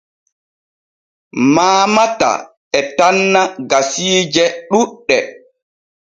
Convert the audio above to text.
Maamata e tanna gasiije ɗuuɗɗe.